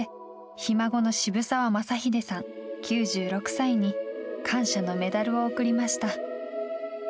ひ孫の渋沢雅英さん、９６歳に感謝のメダルを贈りました。